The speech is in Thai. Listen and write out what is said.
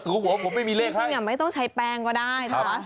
ตรงผมไม่มีเลขให้คุณอย่าไม่ต้องใช้แป้งก็ได้ครับ